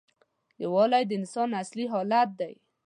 یووالی د انسان اصلي حالت دی.